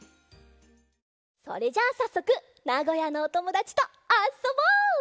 それじゃあさっそくなごやのおともだちとあそぼう！